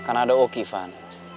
kan ada oki van